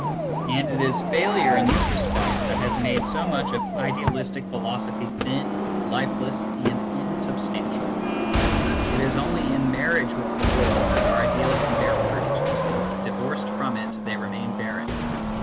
And it is failure in this respect that has made so much of idealistic philosophy thin, lifeless, and insubstantial. It is only in marriage with the world that our ideals can bear fruit : divorced from it, they remain barren.